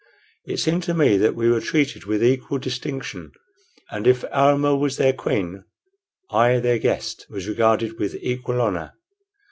It seemed to me that we were treated with equal distinction; and if Almah was their queen, I, their guest, was regarded with equal honor.